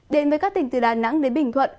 đến với các tỉnh từ đà nẵng đến bình thuận